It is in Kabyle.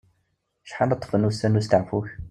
Acḥal ara ṭṭfen wussan n usteɛfu-k?